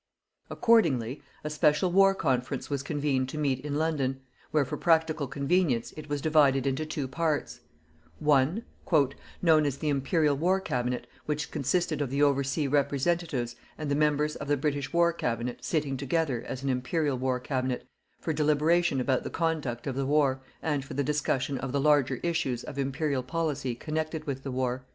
Accordingly, a Special War Conference was convened to meet in London, where for practical convenience it was divided into two parts: one, "known as the Imperial War Cabinet, which consisted of the Oversea Representatives and the members of the British War Cabinet sitting together as an Imperial War Cabinet for deliberation about the conduct of the war and for the discussion of the larger issues of Imperial policy connected with the war."